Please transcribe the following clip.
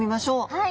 はい。